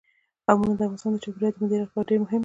قومونه د افغانستان د چاپیریال د مدیریت لپاره ډېر مهم دي.